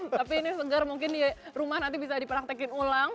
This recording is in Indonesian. tapi ini segar mungkin di rumah nanti bisa dipraktekin ulang